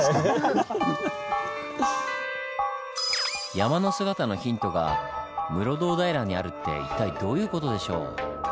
山の姿のヒントが室堂平にあるって一体どういう事でしょう？